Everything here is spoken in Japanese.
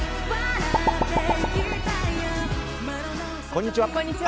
こんにちは。